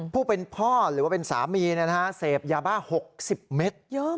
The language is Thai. ผู้เป็นพ่อหรือว่าเป็นสามีเสพยาบ้า๖๐เมตร